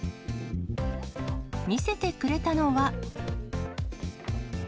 見せてくれたのは。